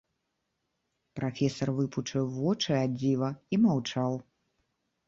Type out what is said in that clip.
Прафесар выпучыў вочы ад дзіва і маўчаў.